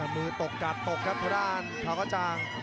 มือตกกัดตกครับทางด้านขาวกระจาง